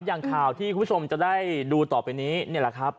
อย่างข่าวที่คุณผู้ชมจะได้ดูต่อไปนี้นี่แหละครับ